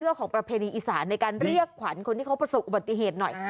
ของประเพณีอีสานในการเรียกขวัญคนที่เขาประสบอุบัติเหตุหน่อย